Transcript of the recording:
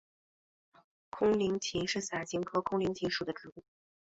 空棱芹是伞形科空棱芹属的植物。